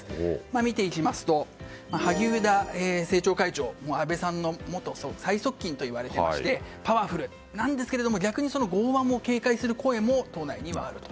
見ていきますと、萩生田政調会長安倍さんの最側近と言われていましてパワフルなんですが逆に剛腕も警戒する声も党内にはあると。